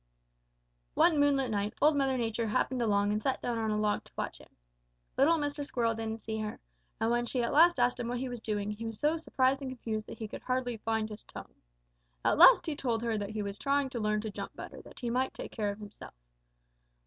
"One moonlight night, Old Mother Nature happened along and sat down on a log to watch him. Little Mr. Squirrel didn't see her, and when at last she asked him what he was doing, he was so surprised and confused that he could hardly find his tongue. At last he told her that he was trying to learn to jump better that he might better take care of himself.